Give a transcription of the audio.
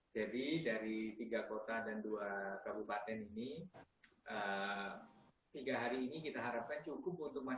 jadi dari tiga kota dan dua kabupaten ini tiga hari ini kita harapkan cukup untuk masyarakat mengalami